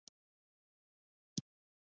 مصنوعي ځیرکتیا د اقتصادي جوړښتونو بڼه اړوي.